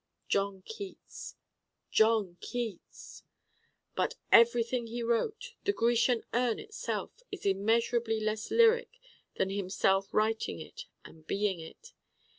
John Keats! John Keats! But everything he wrote, the Grecian Urn itself, is immeasurably less lyric than himself writing it and being it.